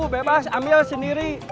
lima bebas ambil sendiri